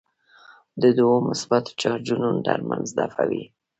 د دوو مثبت چارجونو ترمنځ دفعه وي.